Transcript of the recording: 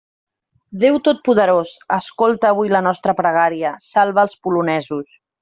Déu totpoderós, escolta avui la nostra pregària; salva els polonesos.